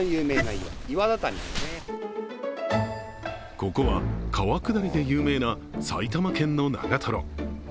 ここは川下りで有名な埼玉県の長瀞。